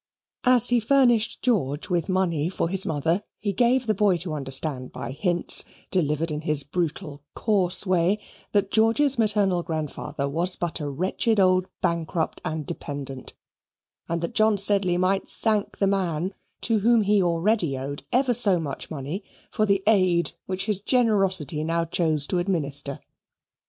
As he furnished George with money for his mother, he gave the boy to understand by hints, delivered in his brutal, coarse way, that George's maternal grandfather was but a wretched old bankrupt and dependant, and that John Sedley might thank the man to whom he already owed ever so much money for the aid which his generosity now chose to administer.